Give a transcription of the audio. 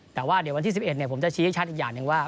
แต่ว่าเดี๋ยววันที่๑๑ผมจะชี้ให้ชัดอีกอย่างหนึ่งว่า